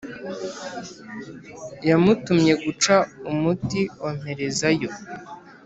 yamutumye guca umuti wamperezayo